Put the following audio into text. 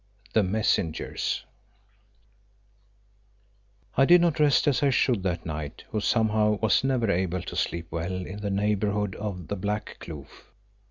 THE MESSENGERS I did not rest as I should that night who somehow was never able to sleep well in the neighbourhood of the Black Kloof.